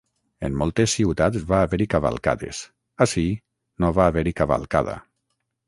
En moltes ciutats va haver-hi cavalcades, ací no va haver-hi cavalcada.